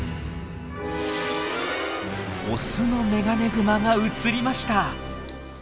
オスのメガネグマが映りました。